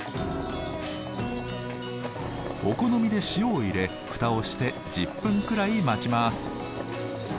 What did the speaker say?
お好みで塩を入れ蓋をして１０分くらい待ちます。